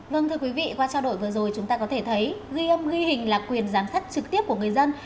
vâng thưa quý vị qua trao đổi vừa rồi chúng ta có thể thấy ghi âm ghi hình là quyền giám sát trực tiếp của người dân